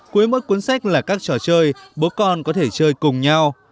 cuối mỗi cuốn sách là các trò chơi bố con có thể chơi cùng nhau